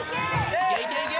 「いけいけいけ」